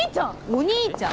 お兄ちゃん？